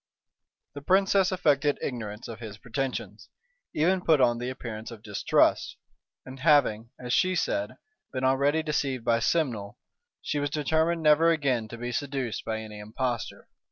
The princess affected ignorance of his pretensions; even put on the appearance of distrust: and having, as she said, been already deceived by Simnel, she was determined never again to be seduced by any impostor.